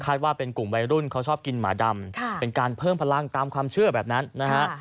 ว่าเป็นกลุ่มวัยรุ่นเขาชอบกินหมาดำเป็นการเพิ่มพลังตามความเชื่อแบบนั้นนะฮะ